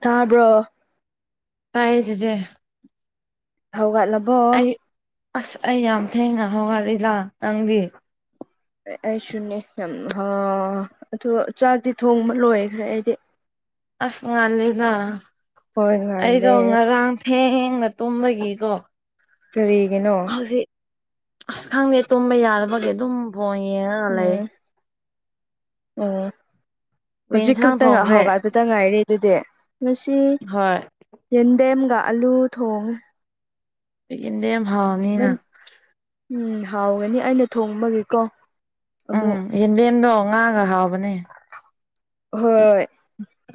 ꯇꯥꯕ꯭ꯔꯣ ꯇꯥꯏꯌꯦ ꯆꯤꯆꯦ ꯍꯧꯒꯠꯂ ꯑꯩ ꯑꯁ ꯑꯩ ꯌꯥꯝ ꯊꯦꯡꯅ ꯍꯧꯒꯠꯂꯤꯗ ꯅꯪꯗꯤ ꯑꯩꯁꯨꯅꯦ ꯌꯥꯝ ꯍꯥ ꯑꯗꯨ ꯆꯥꯛꯇꯤ ꯊꯣꯡꯕ ꯂꯣꯏꯈ꯭ꯔꯦ ꯑꯩꯗꯤ ꯑꯁ ꯉꯜꯂꯤꯗ ꯍꯣꯏ ꯑꯩꯗꯣ ꯉꯥꯜꯂꯦ ꯉꯔꯥꯡ ꯊꯦꯡꯅ ꯇꯨꯝꯕꯒꯤꯀꯣ ꯀꯔꯤꯒꯤꯅꯣ ꯍꯧꯖꯤꯛ ꯑꯁ ꯈꯪꯗꯦ ꯇꯨꯝꯕ ꯌꯥꯗꯕꯒꯤ ꯑꯗꯨꯝ ꯐꯣꯟ ꯌꯦꯡꯉꯒ ꯂꯩ ꯑꯣ ꯀꯔꯤ ꯍꯧꯖꯤꯛ ꯏꯟꯁꯥꯡ ꯈꯛꯇꯪ ꯊꯣꯡꯈ꯭ꯔꯦ ꯍꯧꯒꯠꯄꯗ ꯉꯥꯏꯔꯦ ꯑꯗꯨꯗꯤ ꯉꯁꯤ ꯍꯣꯏ ꯌꯦꯟꯗꯦꯝꯒ ꯑꯂꯨ ꯊꯣꯡꯉꯦ ꯌꯦꯟꯗꯦꯝ ꯍꯥꯎꯕꯅꯤꯅ ꯅꯪ ꯎꯝ ꯍꯥꯎꯒꯅꯤ ꯑꯩꯅ ꯊꯣꯡꯕꯒꯤꯀꯣ ꯎꯝ ꯑꯃꯨꯛ ꯌꯦꯟꯗꯦꯝꯗꯣ ꯉꯥꯒ ꯍꯥꯎꯕꯅꯦ ꯍꯣꯏ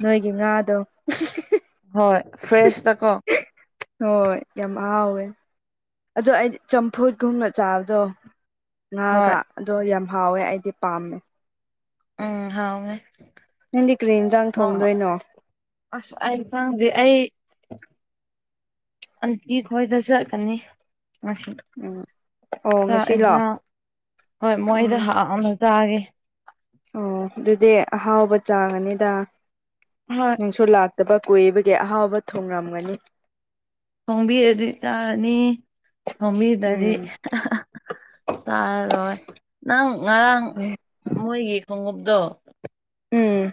ꯅꯣꯏꯒꯤ ꯉꯥꯗꯣ ꯍꯣꯏ ꯐ꯭ꯔꯦꯁ ꯇꯀꯣ ꯍꯣꯏ ꯌꯥꯝ ꯍꯥꯎꯋꯦ ꯑꯗꯣ ꯑꯩꯗꯤ ꯆꯝꯐꯨꯠꯀꯨꯝꯅ ꯆꯥꯕꯗꯣ ꯍꯣꯏ ꯉꯥꯒ ꯑꯗꯣ ꯌꯥꯝ ꯍꯥꯎꯋꯦ ꯑꯩꯗꯤ ꯄꯥꯝꯃꯦ ꯎꯝ ꯍꯥꯎꯋꯦ ꯅꯪꯗꯤ ꯀꯔꯤ ꯏꯟꯖꯥꯡ ꯊꯣꯡꯗꯣꯏꯅꯣ ꯑꯁ ꯑꯩ ꯏꯟꯖꯥꯡꯖꯦ ꯑꯩ ꯑꯟꯇꯤ ꯈꯣꯏꯗ ꯆꯠꯀꯅꯤ ꯉꯁꯤ ꯎꯝ ꯑꯣ ꯆꯥꯛ ꯉꯁꯤꯂꯣ ꯑꯣ ꯏꯟꯖꯥꯡ ꯍꯣꯏ ꯃꯣꯏꯗ ꯍꯥꯎꯅ ꯆꯥꯒꯦ ꯑꯣ ꯑꯗꯨꯗꯤ ꯑꯍꯥꯎꯕ ꯆꯥꯒꯅꯤꯗ ꯍꯣꯏ ꯅꯪꯁꯨ ꯂꯥꯛ ꯇꯕ ꯀꯨꯏꯕꯒꯤ ꯑꯍꯥꯎꯕ ꯊꯣꯡꯉꯝꯒꯅꯤ ꯊꯣꯡꯕꯤꯔꯗꯤ ꯆꯥꯔꯅꯤ ꯊꯣꯡꯕꯤꯗꯔꯗꯤ ꯎꯝ ꯆꯥꯔꯔꯣꯏ ꯔꯣꯏ ꯅꯪ ꯉꯔꯥꯡ ꯃꯣꯏꯒꯤ ꯈꯣꯡꯎꯞꯇꯣ ꯎꯝ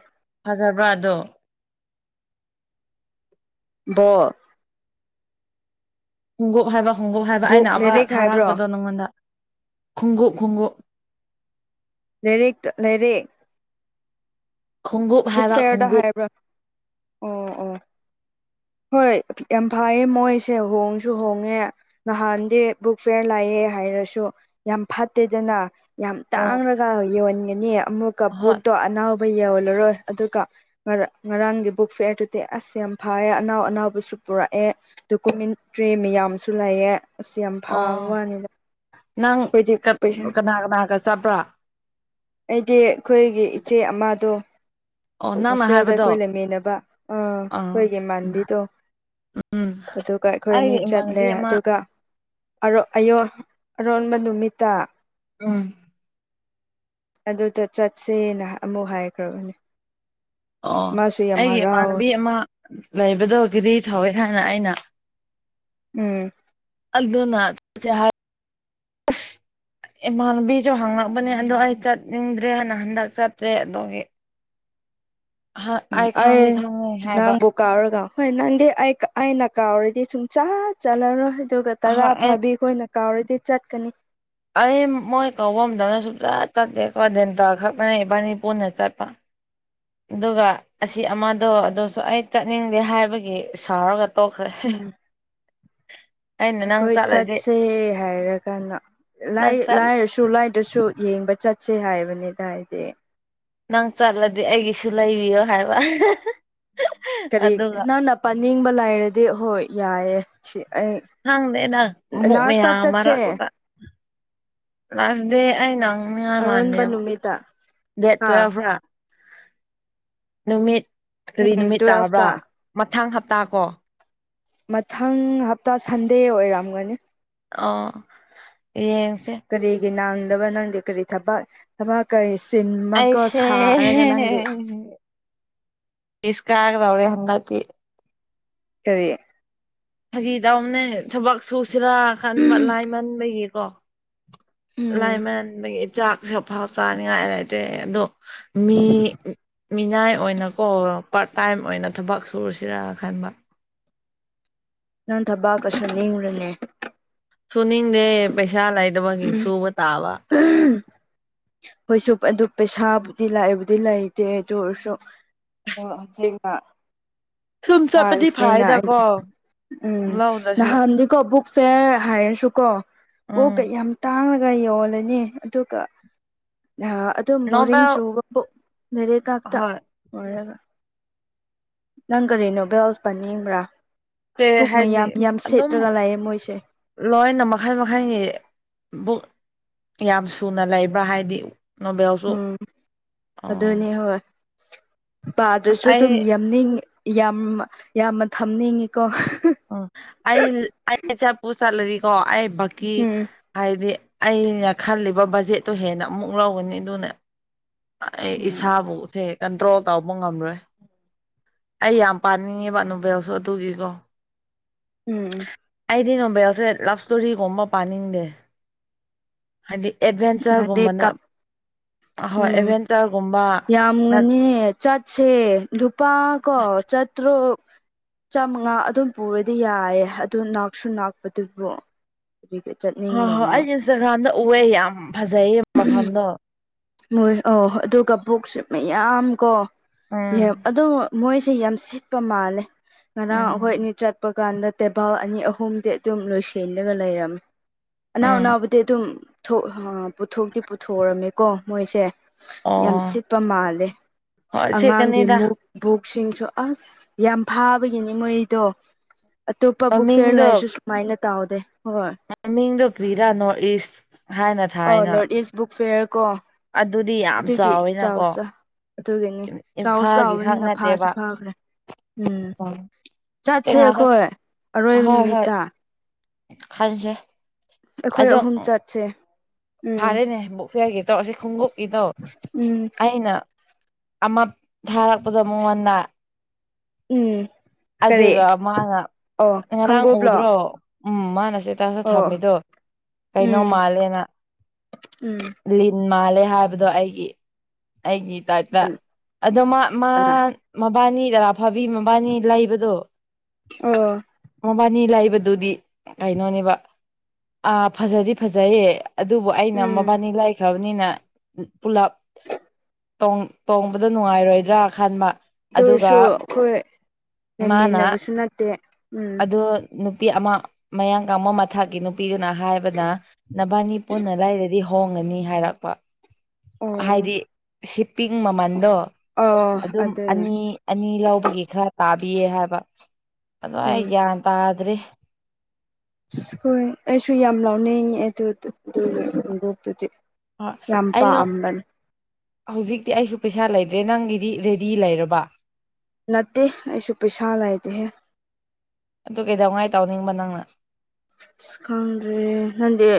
ꯐꯖꯕ꯭ꯔ ꯑꯗꯣ ꯕꯣꯜ ꯈꯣꯡꯒꯨꯞ ꯍꯥꯏꯕ ꯈꯣꯡꯒꯨꯞ ꯍꯥꯏꯕ ꯕꯨꯛ ꯑꯩꯅ ꯑꯃ ꯂꯥꯏꯔꯤꯛ ꯍꯥꯏꯕ꯭ꯔꯣ ꯊꯥꯔꯛꯄꯗꯣ ꯅꯪꯉꯣꯟꯗ ꯈꯣꯡꯒꯨꯞ ꯈꯣꯡꯒꯨꯞ ꯂꯥꯏꯔꯤꯛꯇ ꯂꯥꯏꯔꯤꯛ ꯈꯣꯡꯎꯞ ꯕꯨꯛ ꯍꯥꯏꯕ ꯐꯤꯌꯔꯗ ꯈꯣꯡꯎꯞ ꯍꯥꯏꯕ꯭ꯔ ꯑꯣ ꯑꯣ ꯍꯣꯏ ꯌꯥꯝ ꯐꯩꯌꯦ ꯃꯣꯏꯁꯦ ꯍꯣꯡꯁꯨ ꯍꯣꯡꯉꯦ ꯅꯍꯥꯟꯗꯤ ꯕꯨꯛ ꯐꯤꯌꯥꯔ ꯂꯥꯛꯑꯦ ꯍꯥꯏꯔꯁꯨ ꯌꯥꯝ ꯐꯠꯇꯦꯗꯅ ꯌꯥꯝ ꯑꯣ ꯇꯥꯡꯂꯒ ꯌꯣꯟꯒꯅꯤ ꯑꯃꯨꯛꯀ ꯍꯣꯏ ꯕꯨꯛꯇꯣ ꯑꯅꯧꯕ ꯌꯣꯜꯂꯔꯣꯏ ꯑꯗꯨꯒ ꯉꯔꯥꯡ ꯉꯔꯥꯡꯒꯤ ꯕꯨꯛ ꯐꯤꯌꯔꯗꯨꯗꯤ ꯑꯁ ꯌꯥꯝ ꯐꯔꯦ ꯑꯅꯧ ꯑꯅꯧꯕꯁꯨ ꯄꯨꯔꯛꯑꯦ ꯗꯣꯀꯨꯃꯦꯟꯇ꯭ꯔꯤ ꯃꯌꯥꯝꯁꯨ ꯂꯩꯑꯦ ꯑꯁ ꯌꯥꯝ ꯐꯕ ꯑꯣ ꯋꯥꯅꯤꯗ ꯅꯪ ꯑꯩꯈꯣꯏꯗꯤ ꯄꯩꯁꯥ ꯀꯅꯥ ꯀꯅꯥꯒ ꯆꯠꯄ꯭ꯔꯥ ꯑꯩꯗꯤ ꯑꯩꯈꯣꯏꯒꯤ ꯏꯆꯦ ꯑꯃꯗꯣ ꯑꯣ ꯅꯪꯅ ꯍꯣꯁꯇꯦꯜꯗ ꯍꯥꯏꯕꯗꯣ ꯑꯩꯈꯣꯏ ꯂꯩꯃꯤꯟꯅꯕ ꯑꯥ ꯑꯩꯈꯣꯏꯒꯤ ꯏꯃꯥꯟꯕꯤꯗꯣ ꯎꯝ ꯑꯗꯨꯒ ꯑꯩꯈꯣꯏ ꯑꯅꯤ ꯑꯩꯒꯤ ꯏꯃꯥꯟꯅꯕꯤ ꯆꯠꯂꯦ ꯑꯃ ꯑꯗꯨꯒ [unintelligible] ꯑꯔꯣꯟꯕ ꯅꯨꯃꯤꯠꯇ꯫ ꯎꯝ꯫ ꯑꯗꯨꯗ ꯆꯠꯁꯦꯅ ꯑꯃꯨꯛ ꯍꯥꯏꯈ꯭ꯔꯕꯅꯦ꯫ ꯑꯣ ꯃꯥꯁꯨ ꯌꯥꯝ ꯑꯩꯒꯤ ꯍꯔꯥꯎꯋꯦ ꯏꯃꯥꯟꯅꯕꯤ ꯑꯃ ꯂꯩꯕꯗꯣ ꯒ꯭ꯔꯤ ꯊꯧꯋꯦ ꯍꯥꯏꯅ ꯑꯩꯅ꯫ ꯎꯝ꯫ ꯑꯜꯗꯨꯅ ꯆꯠꯁꯦ ꯍꯥꯏ꯫ [inaudible] ꯏꯃꯥꯟꯅꯕꯤꯁꯨ ꯍꯥꯡꯉꯛꯄꯅꯦ ꯑꯗꯣ ꯑꯩ ꯆꯠꯅꯤꯡꯗ꯭ꯔꯦꯅ ꯍꯟꯗꯛ ꯆꯠꯇ꯭ꯔꯦ ꯑꯗꯨꯒꯤ ꯑꯩ ꯈꯪꯗꯤ ꯈꯪꯉꯤ ꯍꯥꯏꯕ꯫ ꯀꯥꯎꯔꯒꯥ ꯍꯣꯏ ꯅꯪꯗꯤ ꯑꯩ ꯑꯩꯅ ꯀꯥꯎꯔꯗꯤ ꯁꯨꯡꯆꯠ ꯆꯠꯂꯔꯣꯏ꯫ ꯑꯗꯨꯒ ꯇꯔꯥ ꯑꯍꯣꯏ ꯑꯩ ꯐꯥꯕꯤ ꯑꯈꯣꯏꯅ ꯀꯥꯎꯔꯗꯤ ꯆꯠꯀꯅꯤ꯫ ꯑꯩ ꯃꯣꯏ ꯀꯧꯕ ꯃꯇꯝꯗ ꯁꯨꯡꯆꯠ ꯆꯠꯇꯦꯀꯣ ꯗꯦꯟꯇꯥ ꯈꯛꯇꯅꯦ ꯏꯕꯥꯅꯤ ꯄꯨꯟꯅ ꯆꯠꯄ ꯑꯗꯨꯒ ꯑꯁꯤ ꯑꯃꯗꯣ ꯑꯗꯨꯁꯨ ꯑꯩ ꯆꯠꯅꯤꯡꯗꯦ ꯍꯥꯏꯕꯒꯤ ꯁꯥꯎꯔꯒ ꯇꯣꯛꯈ꯭ꯔꯦ꯫ ꯎꯝ ꯑꯩꯅ ꯅꯪ ꯑꯩꯈꯣꯏ ꯆꯠꯂꯗꯤ ꯆꯠꯁꯦ ꯍꯥꯏꯔ ꯀꯥꯟꯗ ꯂꯥꯏ ꯅꯪ ꯂꯥꯏꯔꯁꯨ ꯭ꯇꯨ ꯂꯥꯏꯗ꯭ꯔꯁꯨ ꯌꯦꯡꯕ ꯆꯠꯁꯦ ꯍꯥꯏꯕꯅꯤꯗ ꯑꯩꯗꯤ꯫ ꯅꯪ ꯆꯠꯂꯗꯤ ꯑꯩꯒꯤꯁꯨ ꯂꯩꯕꯤꯌꯣ ꯍꯥꯏꯕ꯫ ꯀꯔꯤ ꯑꯗꯨꯒ ꯅꯪꯅ ꯄꯥꯅꯤꯡꯕ ꯂꯥꯏꯔꯗꯤ ꯍꯣꯏ ꯌꯥꯏꯌꯦ꯫ ꯁꯤ ꯑꯩ ꯍꯪꯗꯦꯗ ꯕꯨꯛ ꯂꯥꯁꯇ ꯃꯌꯥꯝ ꯆꯠꯁꯦ ꯃꯔꯛꯇꯨꯗ꯫ ꯂꯥꯁ ꯗꯦ ꯑꯩꯅ ꯃꯤꯌꯥ ꯑꯔꯣꯟꯕ ꯃꯥꯟꯅꯦꯕ ꯅꯨꯃꯤꯠꯇ ꯗꯦꯠ ꯑꯥ ꯇꯨꯋꯦꯂꯞꯔꯥ? ꯅꯨꯃꯤꯠ ꯀꯔꯤ ꯎꯝ ꯅꯨꯃꯤꯠ ꯇꯥꯔꯕ꯭ꯔꯥ ꯇꯨꯋꯦꯜꯐꯇ ꯃꯊꯪ ꯍꯞꯇꯥ ꯀꯣ꯫ ꯃꯊꯪ ꯍꯞꯇꯥ ꯁꯟꯗꯦ ꯑꯣꯏꯔꯝꯒꯅꯤ꯫ ꯑꯣ ꯌꯦꯡꯁꯦ꯫ ꯀꯔꯤꯒꯤ ꯅꯪꯗꯕ ꯅꯪꯗꯤ ꯀꯔꯤ ꯊꯕꯛ ꯊꯕꯛ ꯀꯩ ꯆꯤꯟꯕꯀ ꯑꯩꯁꯦ ꯁꯥꯔꯒ ꯅꯪꯗꯤ꯫ ꯏꯁ ꯀꯥꯒꯗꯧꯔꯦ ꯍꯟꯗꯛꯇꯤ꯫ ꯀꯔꯤ? ꯐꯥꯒꯤꯗꯧꯕꯅꯦ ꯊꯕꯛ ꯁꯨꯁꯤꯔꯥ ꯈꯟꯕ ꯂꯥꯏ ꯃꯟꯕꯒꯤꯀꯣ꯫ ꯎꯝ ꯂꯥꯏꯃꯟꯕꯒꯤ ꯆꯥꯛꯁꯐꯥꯎ ꯆꯥꯅꯤꯡꯉꯥꯏ ꯂꯩꯇ꯭ꯔꯦ ꯑꯗꯣ ꯃꯤ ꯃꯤꯅꯥꯏ ꯑꯣꯏꯅꯀꯣ ꯄꯥꯔꯠ ꯇꯥꯏꯝ ꯑꯣꯏꯅ ꯊꯕꯛ ꯁꯨꯔꯨꯁꯤꯔꯥ ꯈꯟꯕ꯫ ꯅꯪ ꯊꯕꯥꯛꯀ ꯁꯨꯅꯤꯡꯕ꯭ꯔꯥꯅꯦ? ꯁꯨꯅꯤꯡꯗꯦ ꯄꯩꯁꯥ ꯂꯩꯗꯕꯒꯤ ꯁꯨꯕ ꯇꯥꯕ꯫ ꯑꯍꯝ꯫ ꯍꯣꯏꯁꯨ ꯑꯗꯨ ꯄꯩꯁꯥꯕꯨꯗꯤ ꯂꯥꯛꯏꯕꯨꯗꯤ ꯂꯩꯇꯦ ꯑꯗꯨ ꯑꯣꯏꯔꯁꯨ꯫ ꯑꯣ ꯍꯧꯖꯤꯛꯇ ꯁꯨꯝ ꯆꯠꯄꯗꯤ ꯆꯥꯔꯁꯦꯅ ꯐꯥꯏꯗꯀꯣ ꯑꯩꯗꯤ ꯎꯝ ꯂꯧꯗ꯭ꯔꯁꯨ ꯅꯍꯥꯟꯗꯤ ꯀꯕꯨꯛꯁꯦ ꯍꯥꯏꯔꯁꯨꯀꯣ ꯎꯐ ꯎꯝ ꯀꯌꯥꯝ ꯇꯥꯡꯉꯒ ꯌꯣꯜꯂꯅꯤ ꯑꯗꯨꯒ ꯑꯗꯨꯝ ꯕꯣꯔꯤꯡ ꯅꯣꯕꯦꯜ ꯆꯨꯕꯕꯨ ꯂꯩꯔꯤꯛ ꯉꯥꯛꯇ ꯍꯣꯏ ꯑꯣꯏꯔꯒ꯫ ꯅꯪ ꯀꯔꯤ ꯅꯣꯕꯦꯜꯁ ꯄꯥꯅꯤꯡꯕ꯭ꯔꯥ ꯑꯁ ꯀꯩ ꯕꯨꯛ ꯍꯥꯏꯅꯤ ꯃꯌꯥꯝ ꯌꯥꯝ ꯑꯗꯨꯝ ꯁꯤꯠꯂꯒ ꯂꯩꯌꯦ ꯃꯣꯏꯁꯦ꯫ ꯂꯣꯏꯅ ꯃꯈꯜ ꯃꯈꯜꯒꯤ ꯕꯨꯛ ꯌꯥꯝ ꯁꯨꯅ ꯂꯩꯕ꯭ꯔꯥ ꯍꯥꯏꯗꯤ ꯅꯕꯎꯁꯨ ꯎꯝ ꯑꯣ꯫ ꯑꯁ ꯄꯥꯗꯨꯁꯨ ꯑꯩ ꯑꯗꯨꯝ ꯌꯥꯝꯅꯤꯡ ꯌꯥꯝ ꯌꯥꯝꯅ ꯊꯝꯅꯤꯡꯉꯤꯀꯣ꯫ ꯎꯝ ꯑꯩ ꯑꯩ ꯆꯠꯄꯨ ꯆꯠꯂꯗꯤꯀꯣ ꯑꯩ ꯕꯀꯤ ꯎꯝ ꯍꯥꯏꯗꯤ꯫ ꯑꯩꯅ ꯈꯜꯂꯤꯕ ꯕꯖꯦꯠꯇꯣ ꯍꯦꯟꯅ ꯑꯃꯨꯛ ꯂꯧꯒꯅꯤ ꯑꯗꯨꯅ ꯑꯥ ꯑꯩ ꯎꯝ ꯏꯁꯥꯕꯨ ꯊꯦ ꯀꯟꯇ꯭ꯔꯣꯜ ꯇꯧꯕ ꯉꯝꯂꯣꯏ ꯑꯩ ꯌꯥꯝ ꯄꯥꯅꯤꯡꯉꯦꯕ ꯅꯨꯕꯦꯜꯁꯨ ꯑꯗꯨꯒꯤꯀꯣ ꯎꯝ ꯎꯝ ꯑꯩꯗꯤ ꯅꯣꯕꯦꯜꯁꯦ ꯂꯞ ꯏꯁꯇꯣꯔꯤꯒꯨꯝꯕ ꯄꯥꯅꯤꯡꯗꯦ ꯍꯥꯏꯗꯤ ꯅꯗꯤ ꯑꯦꯗꯚꯦꯟꯆꯔꯒꯨꯝꯕꯅ ꯀꯞ ꯍꯣꯏ ꯎꯝ ꯑꯦꯗꯚꯦꯟꯆꯔꯒꯨꯝꯕ ꯅꯠ ꯌꯥꯝꯒꯅꯦ ꯆꯠꯁꯦ ꯂꯨꯄꯥ ꯀꯣ ꯆꯠ ꯇ꯭ꯔꯣꯛ ꯆꯥꯃꯉꯥ ꯑꯗꯨꯝ ꯄꯨꯔꯗꯤ ꯌꯥꯑꯦ ꯑꯗꯨ ꯅꯥꯛꯁꯨ ꯅꯥꯛꯄꯗꯨꯕꯨ ꯔꯤꯒ꯭ꯔꯦꯠ ꯆꯠꯅꯤ ꯍꯣꯏ ꯍꯣꯏ ꯑꯩ ꯏꯟꯁꯇꯥꯒ꯭ꯔꯥꯝꯗ ꯎꯑꯦ ꯌꯥꯝ ꯐꯖꯩꯌꯦ ꯃꯐꯝꯗꯣ ꯃꯣꯏ ꯑꯧ ꯍꯣꯏ ꯑꯗꯨꯒ ꯄꯨꯛꯁꯦ ꯃꯌꯥꯝ ꯀꯣ ꯎꯝ ꯌꯦꯝ ꯑꯗꯨ ꯃꯣꯏꯁꯦ ꯌꯥꯝ ꯁꯤꯠꯄ ꯃꯥꯜꯂꯦ ꯉꯔꯥꯡ ꯑꯩꯈꯣꯏ ꯎꯝ ꯑꯅꯤ ꯆꯠꯄ ꯀꯥꯟꯗ ꯇꯦꯕꯜ ꯑꯅꯤ ꯑꯍꯨꯝꯗꯤ ꯑꯗꯨꯝ ꯂꯣꯏꯁꯤꯜꯂꯒ ꯂꯩꯔꯝꯃꯤ ꯑꯅꯥꯎ ꯎꯝ ꯑꯅꯥꯎꯕꯨꯗꯤ ꯑꯗꯨꯝ ꯄꯨꯊꯣꯛ ꯄꯨꯊꯣꯛꯇꯤ ꯄꯨꯊꯣꯛꯎꯔꯝꯃꯦꯀꯣ ꯃꯣꯏꯁꯦ ꯌꯥꯝ ꯑꯣ ꯁꯤꯠꯄ ꯃꯥꯜꯂꯦ ꯍꯣꯏ ꯑꯉꯥꯡꯒꯤ ꯁꯦꯠꯀꯅꯤꯗ ꯃꯨꯛ ꯕꯨꯛꯁꯤꯡꯁꯨ ꯑꯁ ꯌꯥꯝ ꯐꯥꯕꯒꯤꯅꯤ ꯃꯣꯏꯗꯣ ꯑꯇꯣꯞꯄ ꯕꯨꯛ ꯐꯤꯌꯔ ꯃꯃꯤꯡꯗꯣ ꯂꯩꯔꯁꯨ ꯁꯨꯃꯥꯏꯅ ꯇꯧꯗꯦ ꯍꯣꯏ ꯃꯃꯤꯡꯗꯨ ꯀ꯭ꯔꯤꯔꯥ ꯅꯣꯔꯠ ꯏꯁ ꯍꯥꯏꯅ ꯑ ꯊꯥꯏꯅ ꯅꯣꯔꯠ ꯏꯁ ꯕꯨꯛ ꯐꯤꯌꯔ ꯀꯣ ꯑꯗꯨꯗꯤ ꯌꯥꯝ ꯑꯗꯨꯗꯤ ꯆꯥꯎ ꯆꯥꯎꯋꯦꯅꯀꯣ ꯆ ꯑꯗꯨꯒꯤꯅꯤ ꯆꯥꯎꯁꯨ ꯏꯝꯐꯥꯜꯒꯤ ꯈꯛ ꯆꯥꯎꯕꯅꯤꯅ ꯐꯥꯁꯨ ꯅꯠꯇꯦꯕ ꯐꯈ꯭ꯔꯦ ꯎꯝ ꯑꯇꯩ ꯆꯠꯁꯦ ꯉꯥꯏꯈꯣ ꯑꯩꯈꯣꯏ ꯑꯔꯣꯏꯕ ꯅꯨꯃꯤꯠꯇ ꯍꯟꯁꯦ ꯑꯩꯈꯣꯏ ꯑꯍꯨꯝ ꯆꯠꯁꯦ ꯎꯝ ꯐꯥꯔꯦꯅꯦ ꯕꯨꯛ ꯐꯌꯥꯔꯒꯤ ꯇꯧ ꯑꯁꯤ ꯈꯣꯡꯎꯞꯀꯤꯗꯣ ꯎꯝ ꯑꯩꯅ ꯑꯃ ꯊꯥꯔꯛꯄꯗꯣ ꯃꯉꯣꯟꯗ ꯎꯝ ꯀꯔꯤ ꯑꯗꯨꯒ ꯃꯥꯅ ꯑꯣ ꯉꯔꯥꯡ ꯈꯪꯒꯣꯕ꯭ꯂꯣ ꯎꯗ꯭ꯔꯣ ꯎꯝ ꯃꯥꯅꯁꯦ ꯍꯞꯇꯥꯁꯨ ꯑꯣ ꯊꯝꯃꯤꯗꯣ ꯀꯩꯅꯣ ꯎꯝ ꯃꯥꯜꯂꯦꯅ ꯎꯝ ꯂꯤꯟ ꯃꯥꯜꯂꯦ ꯍꯥꯏꯕꯗꯣ ꯑꯩꯒꯤ ꯑꯩꯒꯤ ꯇꯥꯏꯞ ꯗ ꯑꯗꯣ ꯃꯥ ꯀꯅꯥ ꯃꯥ ꯃꯕꯥꯅꯤ ꯒꯔꯥ ꯑꯐꯥꯕꯤ ꯃꯕꯥꯅꯤ ꯂꯩꯕꯗꯣ ꯑꯣ ꯃꯕꯥꯅꯤ ꯂꯩꯕꯗꯨꯗꯤ ꯀꯩꯅꯣꯅꯦꯕ ꯑꯥ ꯐꯖꯗꯤ ꯐꯖꯩꯌꯦ ꯑꯗꯨꯕꯨ ꯑꯩꯅ ꯎꯝ ꯃꯕꯥꯅꯤ ꯂꯥꯏꯈ꯭ꯔꯕꯅꯤꯅ ꯄꯨꯂꯞ ꯇꯣꯡ ꯇꯣꯡꯕꯗ ꯅꯨꯡꯉꯥꯏꯔꯣꯏꯗ꯭ꯔꯥ ꯈꯟꯕ ꯑꯗꯨꯒ ꯑꯗꯨꯔꯁꯨ ꯑꯩꯈꯣꯏ ꯃꯥꯅ ꯂꯝꯃꯤꯟꯅꯕꯁꯨ ꯅꯠꯇꯦ ꯎꯝ ꯑꯗꯣ ꯅꯨꯄꯤ ꯑꯃ ꯃꯌꯥꯡꯒꯕ ꯃꯊꯛꯀꯤ ꯅꯨꯄꯤꯗꯨꯅ ꯍꯥꯏꯕꯗ ꯅꯕꯥꯅꯤ ꯄꯨꯟꯅ ꯂꯩꯔꯗꯤ ꯍꯣꯡꯉꯅꯤ ꯍꯥꯏꯔꯛꯄ ꯑꯣ ꯍꯥꯏꯗꯤ ꯁꯤ ꯄꯤꯡ ꯃꯃꯜꯗꯣ ꯑꯣ ꯑꯗꯨꯝ ꯑꯗꯨꯅꯦ ꯑꯅꯤ ꯑꯅꯤ ꯂꯧꯕꯒꯤ ꯈꯔ ꯇꯥꯕꯤꯌꯦ ꯍꯥꯏꯕ ꯑꯗꯨ ꯑꯩ ꯍꯣꯏ ꯒ꯭ꯌꯥꯟ ꯇꯥꯗ꯭ꯔꯦ ꯑꯁ ꯍꯣꯏ ꯑꯩꯁꯨ ꯌꯥꯝ ꯂꯥꯎꯅꯤꯡꯉꯦ ꯑꯗꯨꯗ ꯗꯨꯗ ꯕꯣꯛꯇꯨꯗꯤ ꯍꯣꯏ ꯌꯥꯝ ꯑꯩ ꯂꯧ ꯄꯥꯝꯕꯅꯤ ꯍꯧꯖꯤꯛꯇꯤ ꯑꯩꯁꯨ ꯄꯩꯁꯥ ꯂꯩꯇ꯭ꯔꯦ ꯅꯪꯒꯤꯗꯤ ꯔꯦꯗꯤ ꯂꯩꯔꯕ ꯅꯠꯇꯦ ꯑꯩꯁꯨ ꯄꯩꯁꯥ ꯂꯩꯇꯦꯍꯦ ꯑꯗꯨ ꯀꯩꯗꯧꯉꯥꯏ ꯇꯧꯅꯤꯡꯕ ꯅꯪꯅ ꯁꯤ ꯈꯪꯗ꯭ꯔꯦ ꯅꯪꯗꯤ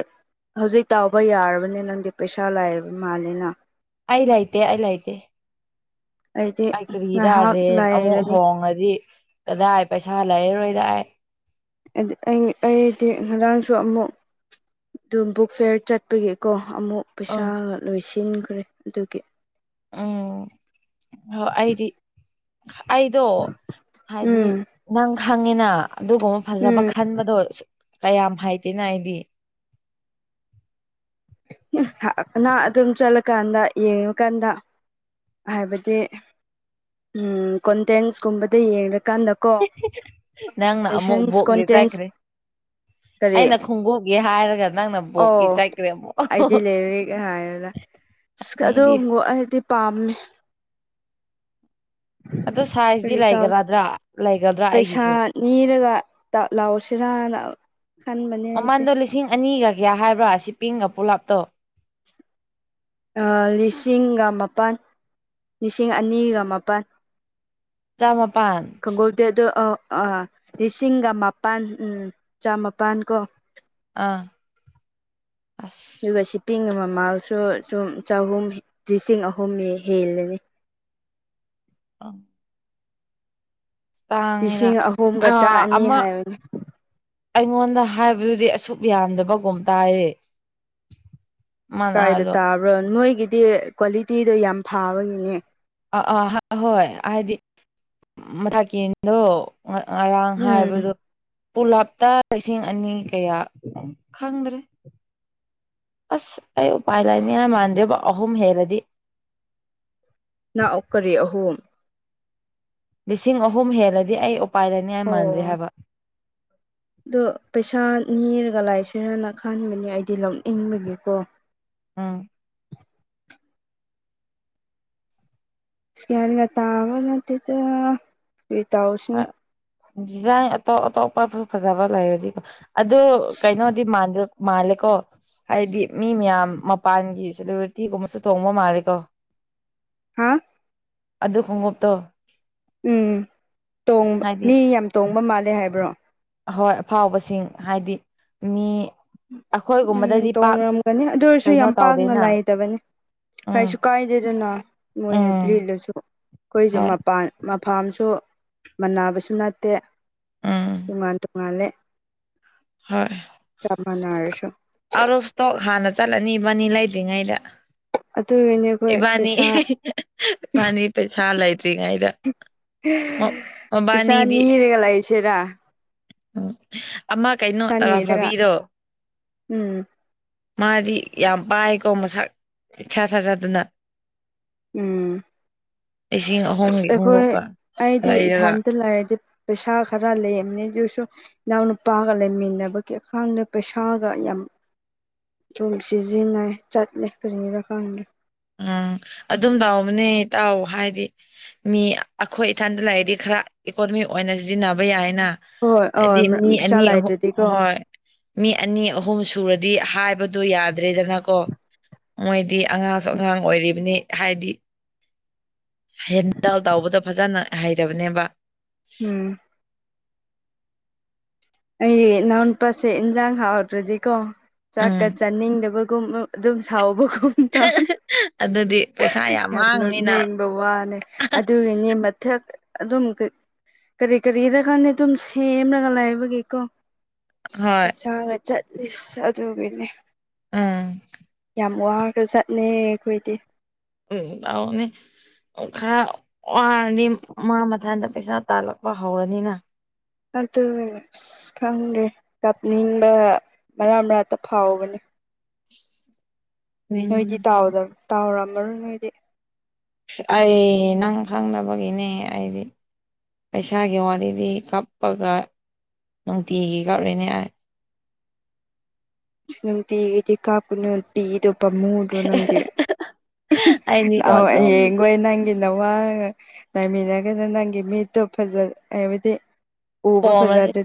ꯍꯧꯖꯤꯛ ꯇꯥꯎꯕ ꯌꯥꯔꯕꯅꯤ ꯅꯪꯗꯤ ꯄꯩꯁꯥ ꯂꯥꯏꯕ ꯃꯥꯜꯂꯤꯅ ꯑꯩ ꯂꯥꯏꯇꯦ ꯑꯩ ꯂꯥꯏꯇꯦ ꯑꯩꯗꯤ ꯀ ꯀꯔꯤ ꯉꯥꯏꯍꯥꯛ ꯏꯔꯥꯔꯦ ꯑꯃꯨꯛ ꯂꯩꯒꯅꯤ ꯍꯣꯡꯉꯗꯤ ꯀꯗꯥꯏ ꯄꯩꯁꯥ ꯂꯩꯔꯔꯣꯏꯗꯥꯏ ꯑꯩ ꯑꯩ ꯑꯩꯗꯤ ꯉꯔꯥꯡꯁꯨ ꯑꯃꯨꯛ ꯑꯗꯨ ꯕꯨꯛ ꯐꯤꯌꯔ ꯆꯠꯄꯒꯤ ꯀꯣ ꯑꯃꯨꯛ ꯑ ꯄꯩꯁꯥ ꯂꯣꯏꯁꯤꯟꯈ꯭ꯔꯦ ꯑꯗꯨꯒꯤ ꯎꯝ ꯍ ꯑꯩꯗꯤ ꯑꯩꯗꯣ ꯍꯥꯏꯗꯤ ꯎꯝ ꯅꯪ ꯈꯪꯉꯤꯅ ꯑꯗꯨꯒꯨꯝꯕ ꯐꯖꯕ ꯎꯝ ꯈꯟꯕꯗꯣ ꯀꯌꯥꯝ ꯍꯥꯏꯇꯦꯅ ꯑꯩꯗꯤ ꯅꯍ ꯅꯪ ꯑꯗꯨꯝ ꯆꯠꯂꯀꯥꯟꯗ ꯌꯦꯡꯉꯨꯀꯥꯟꯗ ꯍꯥꯏꯕꯗꯤ ꯎꯝ ꯀꯣꯟꯇꯦꯟꯁ ꯀꯨꯝꯕꯗ ꯌꯦꯡꯉꯀꯥꯟꯗ ꯀꯣ ꯅꯪꯅ ꯑꯃꯨꯛ ꯂꯦꯁꯟꯁ ꯕꯣꯛꯒꯤ ꯀꯣꯟꯇꯦꯟꯁ ꯆꯠꯈ꯭ꯔꯦ ꯀꯔꯤ ꯑꯩꯅ ꯈꯣꯡꯎꯞꯒꯤ ꯍꯥꯏꯔꯒ ꯅꯪꯅ ꯑꯣ ꯕꯣꯛꯀꯤ ꯆꯠꯈ꯭ꯔꯦ ꯑꯃꯨꯛ ꯑꯩꯗꯤ ꯂꯩꯔꯤꯛ ꯍꯥꯏꯔꯒ ꯁꯤ ꯑꯁ ꯃꯤꯗꯤ ꯑꯗꯨꯒꯨꯝ ꯑꯩꯗꯤ ꯄꯥꯝꯃꯦ ꯑꯗꯨ ꯁꯥꯏꯟꯇꯤ ꯀꯔꯤ ꯇꯧ ꯂꯩꯒꯔꯗ꯭ꯔꯥ ꯂꯩꯒꯗ꯭ꯔꯥ ꯄꯩꯁꯥ ꯑꯩꯒꯤꯁꯨ ꯅꯤꯔꯒ ꯇ ꯂꯥꯎꯁꯤꯔꯅ ꯈꯟꯕꯅꯤ ꯃꯃꯥꯡꯗ ꯂꯤꯁꯤꯡ ꯑꯅꯤꯒ ꯀꯌꯥ ꯍꯥꯏꯕ꯭ꯔꯥ ꯁꯤꯄꯤꯡꯒ ꯄꯨꯂꯥꯞꯇꯣ ꯑꯥ ꯂꯤꯁꯤꯡꯒ ꯃꯥꯄꯟ ꯂꯤꯁꯤꯡ ꯑꯅꯤꯒ ꯃꯥꯄꯟ ꯆꯃꯥꯄꯟ ꯇꯦ ꯑꯗꯨ ꯑ ꯑꯥ ꯂꯤꯁꯤꯡꯒ ꯃꯄꯥꯟ ꯎꯝ ꯆꯃꯥꯄꯟ ꯀꯣ ꯑꯥ ꯑꯁ ꯑꯗꯨꯒ ꯁꯤꯄꯤꯡꯒꯤ ꯃꯃꯜꯁꯨ ꯁꯨꯝ ꯆꯍꯨꯝ ꯂꯤꯁꯤꯡ ꯑꯍꯨꯝ ꯍꯦꯜꯂꯅꯤ ꯑꯥ ꯥꯇꯥꯡꯉꯤꯅ ꯂꯤꯁꯤꯡ ꯑꯍꯨꯝꯒ ꯊꯥ ꯆꯥꯅꯤ ꯑꯃ ꯍꯥꯏꯕꯅꯤ ꯑꯩꯉꯣꯟꯗ ꯍꯥꯏꯕꯗꯨꯗꯤ ꯑꯁꯨꯛ ꯌꯥꯝꯗꯕꯒꯨꯝ ꯇꯥꯏꯌꯦ ꯃꯥꯅ ꯀꯥꯏꯗ ꯍꯥꯏꯕꯗꯣ ꯇꯥꯕ꯭ꯔꯣ ꯅꯣꯏꯒꯤꯗꯤ ꯀ꯭ꯋꯥꯂꯤꯇꯤꯗꯣ ꯌꯥꯝ ꯐꯥꯕꯒꯤꯅꯦ ꯑꯥ ꯑꯥ ꯍꯣꯏ ꯍꯥꯏꯗꯤ ꯃꯊꯥꯛ ꯌꯦꯡꯗꯣ ꯉꯥ ꯉꯔꯥꯡ ꯎꯝ ꯍꯥꯏꯕꯗꯣ ꯄꯨꯂꯥꯞꯇ ꯂꯤꯁꯤꯡ ꯑꯅꯤ ꯀꯌꯥ ꯈꯪꯗ꯭ꯔꯦ ꯑꯁ ꯑꯩ ꯎꯄꯥꯏ ꯂꯩꯥꯅꯤꯡꯉꯥꯏ ꯃꯥꯟꯗꯦꯕꯣ ꯑꯍꯨꯝ ꯍꯦꯜꯂꯗꯤ ꯅꯑꯣ ꯀꯔꯤ ꯑꯍꯨꯝ ꯂꯤꯁꯤꯡ ꯑꯍꯨꯝ ꯍꯦꯜꯂꯗꯤ ꯑꯩ ꯎꯄꯥꯏ ꯂꯩꯅꯤꯡꯉꯥꯏ ꯃꯥꯟꯗꯔ꯭ꯦ ꯑꯣ ꯍꯥꯏꯕ ꯑꯗꯣ ꯄꯩꯁꯥ ꯅꯤꯔꯒ ꯂꯩꯁꯤꯔꯅ ꯈꯟꯕꯅꯦ ꯑꯩꯗꯤ ꯂꯧꯅꯤꯡꯕꯒꯤꯀꯣ ꯎꯝ ꯏꯁ ꯒꯌꯥꯟꯒ ꯇꯥꯕ ꯅꯠꯇꯗ ꯀꯔꯤ ꯇꯎꯁꯤꯅꯦ ꯗꯤꯖꯥꯏꯟ ꯑꯇꯣꯞ ꯑꯇꯣꯞꯄꯁꯨ ꯐꯖꯕ ꯂꯩꯔꯗꯤꯀꯣ ꯑꯗꯨ ꯀꯩꯅꯣꯗꯤ ꯃꯥꯟꯗ꯭ꯔ ꯃꯥꯂꯦꯀꯣ ꯍꯥꯏꯗꯤ ꯃꯤ ꯃꯌꯥꯝ ꯃꯄꯥꯟꯒꯤ ꯁꯦꯂꯕꯔꯤꯇꯤꯒꯨꯝꯕꯁꯨ ꯇꯣꯡꯕ ꯃꯥꯂꯦꯀꯣ ꯍꯥꯥ ꯑꯗꯨ ꯈꯣꯡꯎꯞꯇꯣ ꯎꯝ ꯇꯣꯡꯕ ꯍꯥꯏꯗꯤ ꯃꯤ ꯌꯥꯝ ꯇꯣꯡꯕ ꯃꯥꯜꯂꯦ ꯍꯥꯏꯕ꯭ꯔꯣ ꯑꯍꯣꯏ ꯑꯐꯥꯎꯕꯁꯤꯡ ꯍꯥꯏꯗꯤ ꯃꯤ ꯎꯝ ꯑꯩꯈꯣꯏꯒꯨꯝꯕꯗꯗꯤ ꯄꯥꯛ ꯇꯣꯡꯉꯔꯝꯒꯅꯤ ꯑꯗꯨ ꯑꯣꯏꯔꯁꯨ ꯀꯩꯅꯣ ꯌꯥꯝ ꯄꯥꯛꯅ ꯇꯧꯗꯦꯅ ꯂꯥꯏꯗꯕꯅꯤ ꯎꯝ ꯀꯩꯁꯨ ꯀꯥꯏꯗꯦꯗꯅ ꯃꯣꯏꯅ ꯎꯝ ꯂꯤꯠꯂꯁꯨ ꯑꯩꯈꯣꯏꯁꯨ ꯍꯣꯏ ꯃꯄꯥꯟ ꯃꯐꯥꯝꯁꯨ ꯃꯟꯅꯕꯁꯨ ꯅꯠꯇꯦ ꯎꯝ ꯇꯣꯉꯥꯟ ꯇꯣꯉꯥꯜꯂꯦ꯫ ꯍꯣꯏ ꯆꯥꯞ ꯃꯥꯟꯅꯔꯁꯣ ꯫ ꯑꯥꯎꯠ ꯑꯣꯐ ꯏꯁꯇ꯭ꯣꯛ ꯍꯥꯟꯅ ꯆꯠꯂꯅꯤ ꯏꯕꯥꯅꯤ ꯂꯩꯗ꯭ꯔꯤꯉꯩꯗ꯫ ꯑꯗꯨꯒꯤꯅꯤ ꯑꯩꯈꯣꯏ ꯏꯕꯥꯅꯤ ꯄꯩꯁꯥ ꯏꯕꯥꯅꯤ ꯄꯩꯁꯥ ꯂꯩꯇ꯭ꯔꯤꯉꯩꯗ꯫ ꯃ- ꯄꯩꯁꯥ ꯃꯕꯥꯅꯤꯗꯤ ꯅꯤꯔꯒ ꯂꯩꯥꯁꯤꯔꯥ ꯫ ꯎꯝ ꯑꯃ ꯀꯩꯅꯣ ꯄꯩꯁꯥ ꯇꯔꯥ ꯅꯤꯔꯒ ꯐꯥꯕꯤꯒꯤꯗꯣ ꯎꯝ ꯫ ꯃꯥꯗꯤ ꯌꯥꯝ ꯄꯥꯏꯀꯣ ꯃꯁꯛ ꯏꯊꯥ ꯊꯥꯖꯗꯅ꯫ ꯎꯝ ꯂꯤꯁꯤꯡ ꯑꯁ ꯑꯍꯨꯝꯒꯤ ꯑꯩꯈꯣꯏ ꯈꯣꯡꯎꯞꯀ ꯑꯩꯗꯤ ꯂꯩꯔꯒ ꯏꯊꯥꯟꯇ ꯂꯥꯏꯔꯗꯤ ꯄꯩꯁꯥ ꯈꯔ ꯂꯩꯝꯅꯤ ꯗꯨꯁꯨ꯫ ꯏꯅꯥꯎ ꯅꯨꯄꯥꯒ ꯂꯩꯃꯤꯟꯅꯕꯒꯤ ꯈꯡꯗꯦ ꯄꯩꯁꯥꯒ ꯌꯥꯝ ꯗꯨꯝ ꯁꯤꯖꯤꯟꯅꯩ ꯆꯠꯂꯦ ꯀꯔꯤꯔꯥ ꯈꯪꯗꯦ ꯫ ꯎꯝ ꯑꯗꯨꯝ ꯇꯥꯎꯕꯅꯦ ꯇꯥꯎ ꯍꯥꯏꯗꯤ꯫ ꯃꯤ ꯑꯩꯈꯣꯏ ꯏꯊꯟꯗ ꯂꯩꯔꯗꯤ ꯈꯔ ꯏꯀꯣꯅꯣꯃꯤꯛ ꯑꯣꯏꯅ ꯁꯤꯖꯤꯟꯅꯕ ꯌꯥꯏꯅ꯫ ꯍꯣꯏ ꯍꯣꯏ ꯍꯥꯏꯗꯤ ꯃꯤ ꯄꯩꯁꯥ ꯑꯅꯤ ꯑꯍꯨ ꯂꯩꯇ꯭ꯔꯗꯤꯀꯣ ꯍꯣꯏ ꯃꯤ ꯑꯅꯤ ꯑꯍꯨꯝ ꯁꯨꯔꯗꯤ ꯍꯥꯏꯕꯗꯣ ꯌꯥꯗ꯭ꯔꯦꯗꯅꯀꯣ ꯃꯣꯏꯗꯤ ꯑꯡ ꯁꯨ ꯑꯉꯥꯡ ꯑꯣꯏꯔꯤꯕꯅꯤ ꯍꯥꯏꯗꯤ ꯍꯦꯟꯗꯜ ꯇꯧꯕꯗ ꯐꯖꯅ ꯍꯩꯇꯕꯅꯦꯕ ꯎꯝ ꯑꯩ ꯏꯅꯥꯎꯅꯨꯄꯥꯁꯦ ꯏꯟꯖꯥꯡ ꯍꯥꯎꯇꯔ꯭ꯗꯤꯀꯣ ꯆꯥꯛꯀ ꯎꯝ ꯆꯥꯅꯤꯡꯗꯕꯒꯨꯝ ꯑꯗꯨꯝ ꯁꯥꯎꯕ ꯑꯗꯨꯗꯤ ꯄꯩꯁꯥ [unintelligible] ꯌꯥꯝ ꯃꯥꯡꯅꯤꯅ ꯅꯣꯛꯅꯤꯡꯕ ꯋꯥꯅꯦ ꯑꯗꯨꯒꯤꯅꯤ ꯃ ꯊꯛ ꯑꯗꯨꯝ ꯀꯔꯤ ꯀꯔꯤꯔꯥ ꯈꯪꯗꯦ ꯑꯗꯨꯝ ꯁꯦꯝꯔꯒ ꯂꯩꯕꯒꯤ ꯀꯣ ꯑꯁ ꯍꯣꯏ ꯄꯩꯁꯥꯒ ꯆꯠꯂꯤꯁ ꯑꯗꯨꯒꯤꯅꯦ ꯎꯝ ꯌꯥꯝ ꯋꯥꯒꯔ꯭ꯒ ꯖꯥꯠꯅꯦ ꯈꯣꯏꯗꯤ ꯎꯝ ꯇꯥꯎꯅꯤ ꯈꯔ ꯋꯥꯔꯅꯤ ꯃꯥ ꯃꯊꯟꯗ ꯄꯩꯁꯥ ꯇꯥꯜꯂꯛꯄ ꯍꯧꯔꯅꯤꯅ ꯑꯗꯨ ꯑꯁ ꯈꯪꯗ꯭ꯔꯦ ꯀꯞꯅꯤꯡꯕ ꯃꯔꯥ ꯃꯔꯛꯇ ꯐꯥꯎꯕꯅꯤ ꯁ ꯅꯣꯏꯗꯤ ꯇꯥꯎꯗꯕ ꯇꯥꯎꯔꯝꯃꯔꯣꯏ ꯅꯣꯏꯗꯤ ꯑꯩ ꯅꯪ ꯈꯪꯅꯕꯒꯤꯅꯦ ꯑꯩꯗꯤ ꯄꯩꯁꯥꯒꯤ ꯋꯥꯔꯤꯗꯤ ꯀꯞꯄꯒ ꯅꯨꯡꯇꯤꯒꯤ ꯀꯞꯂꯤꯅꯤ ꯑꯩ ꯅꯨꯡꯇꯤꯒꯤꯗꯤ ꯀꯥꯞꯀꯅꯨ ꯄꯤꯗꯣ ꯄꯝꯃꯨꯗ ꯗꯔꯣ ꯅꯪꯗꯤ ꯑꯩꯗꯤꯀꯣ ꯂꯥꯛꯑꯣ ꯁꯨꯝ ꯍꯌꯦꯡꯒꯣꯏ ꯅꯪꯒꯤ ꯅꯋꯥꯒ ꯂꯩꯥꯃꯤꯟꯅꯒ ꯅꯪꯒꯤ ꯃꯤꯠꯇꯣ ꯐꯖ ꯍꯥꯏꯕꯗꯤ ꯎꯕ ꯄꯣꯝꯃꯗꯤ ꯐꯖꯗꯦ